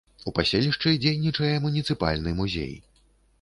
У паселішчы дзейнічае муніцыпальны музей.